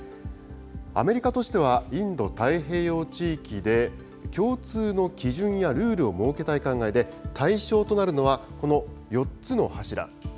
アメリカとしては、インド太平洋地域で共通の基準やルールを設けたい考えで、対象となるのは、この４つの柱。